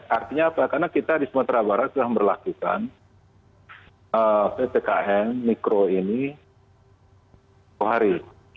artinya apa karena kita di sumatera barat sudah melakukan ppkm mikro ini sehari